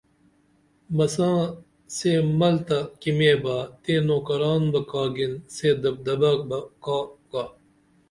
مساں سے مل تہ کمِیبا، تئیں نوکران بہ کا گین، سے دبدبہ بہ کاگا